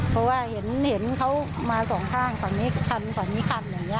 เพราะว่าเห็นเขามาสองข้างขวานนี้คันขวานนี้คันอย่างนี้